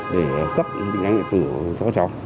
để cấp định danh điện tử cho các cháu